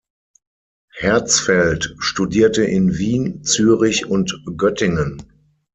Herzfeld studierte in Wien, Zürich und Göttingen.